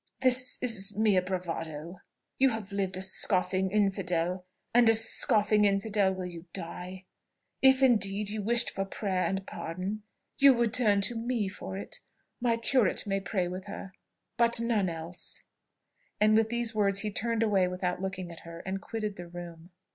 "This is mere bravado! You have lived a scoffing infidel, and a scoffing infidel will you die. If, indeed, you wished for prayer and pardon, you would turn to me for it. My curate may pray with her, but none else." And with these words he turned away without looking at her, and quitted the room.